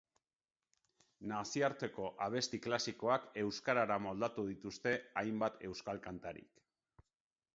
Nazioarteko abesti klasikoak euskarara moldatu dituzte hainbat euskal kantarik.